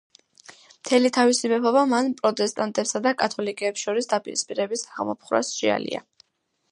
მთელი თავისი მეფობა მან პროტესტანტებსა და კათოლიკეებს შორის დაპირისპირების აღმოფხვრას შეალია.